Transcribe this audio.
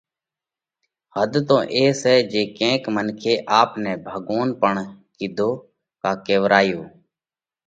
حڌ تو اي سئہ جي ڪينڪ منکي آپ نئہ ڀڳوونَ پڻ ڪِيڌو ڪا ڪيوَرايو۔